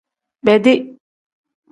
Bedi.